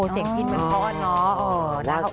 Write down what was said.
เสียงพินทร์มันค่อนเนาะ